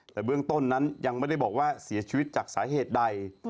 แต่เบื้องต้นนั้นยังไม่ได้บอกว่าเสียชีวิตจากสาเหตุใด